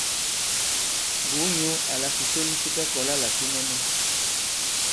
Bùu nyǔ àlà fìson fi ta-kɔ̀la là fi nɛnɛ.